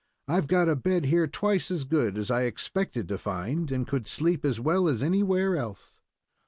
I've got a bed here twice as good as I expected to find, and could sleep as well as anywhere else."